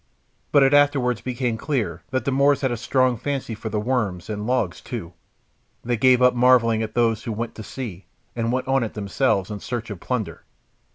But it afterwards became clear that the Moors had a strong fancy for the "worms" and "logs" too. They gave up marvelling at those who went to sea, and went on it themselves in search of plunder.